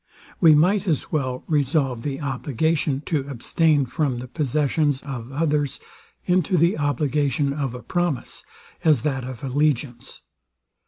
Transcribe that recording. We might as well resolve the obligation to abstain from the possessions of others, into the obligation of a promise, as that of allegiance.